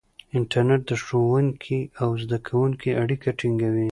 انټرنیټ د ښوونکي او زده کوونکي اړیکه ټینګوي.